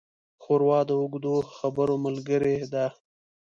ښوروا د اوږدو خبرو ملګري ده.